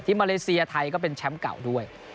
มาเลเซียไทยก็เป็นแชมป์เก่าด้วย